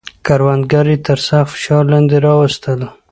کروندګر یې تر سخت فشار لاندې راوستل.